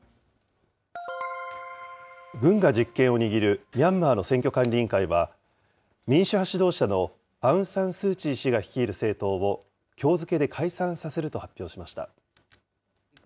軍が実権を握るミャンマーの選挙管理委員会は、民主派指導者のアウン・サン・スー・チー氏が率いる政党を、きょう付けで解散させると発表しました。